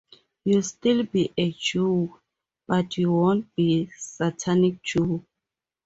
You'll still be a Jew, but you won't be a satanic Jew!